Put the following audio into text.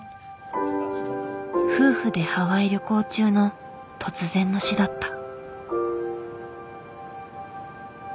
夫婦でハワイ旅行中の突然の死だった。